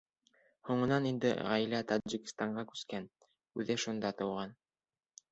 Һуңынан инде ғаилә Тажикстанға күскән, үҙе шунда тыуған.